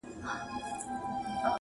ستا د ټولو شرطونو سره سمه بدله سوې:-